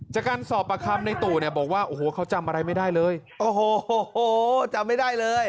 จากการสอบประคำในตู่เนี่ยบอกว่าโอ้โหเขาจำอะไรไม่ได้เลยโอ้โหจำไม่ได้เลย